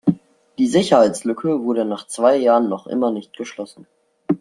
Die Sicherheitslücke wurde nach zwei Jahren noch immer nicht geschlossen.